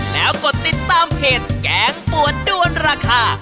แล้วกดติดตามเพจแกงปวดด้วนราคา